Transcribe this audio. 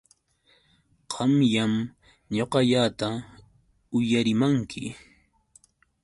Qamllam ñuqallata uyarimanki.